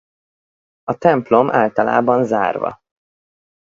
A templom általában zárva.